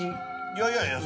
いやいやいや。